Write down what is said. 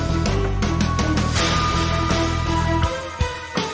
ก็ไม่น่าจะดังกึ่งนะ